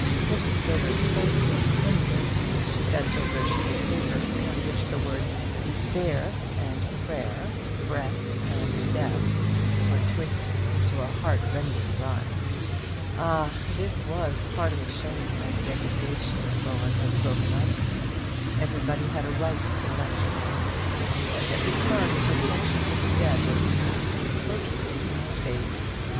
Mrs. Gilbert's face grew crimson as she bent over a sheet of paper on which the words "despair" and "prayer," "breath" and "death," were twisted into a heartrending rhyme. Ah, this was a part of the shame and degradation of which Roland had spoken. Everybody had a right to lecture her, and at every turn the perfections of the dead were cast reproachfully in her face.